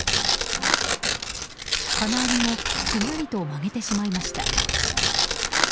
金網もぐにゃりと曲げてしまいました。